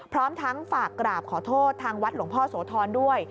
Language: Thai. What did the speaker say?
พร้อมทั้งฝากกราบขอโทษทางวัดหลวงพ่อโสธรด้วย